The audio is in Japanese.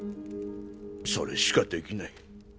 それしかできない。